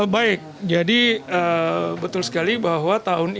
baik jadi betul sekali bahwa tahun ini